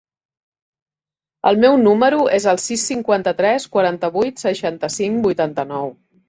El meu número es el sis, cinquanta-tres, quaranta-vuit, seixanta-cinc, vuitanta-nou.